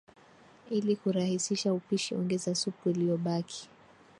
Ili kurahisisha upishi ongeza supu iliyobaki